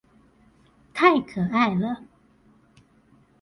太可愛了